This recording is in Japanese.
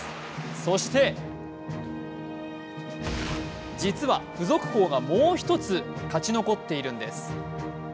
そして実は付属校がもう一つ勝ち残っているんです。